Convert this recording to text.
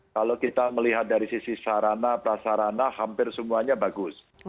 kalau kita melihat dari sisi sarana prasarana hampir semuanya bagus